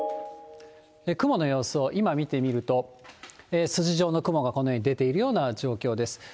雲の様子を今見てみると、筋状の雲がこのように出ているような状況です。